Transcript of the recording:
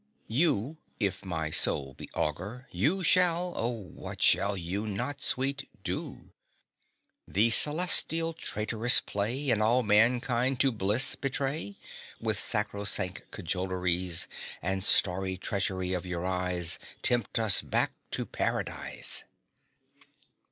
You, if my soul be augur, you Shall O what shall you not, Sweet, do? The celestial traitress play, And all mankind to bliss betray; With sacrosanct cajoleries And starry treachery of your eyes, Tempt us back to Paradise!